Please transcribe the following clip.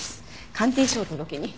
鑑定書を届けに。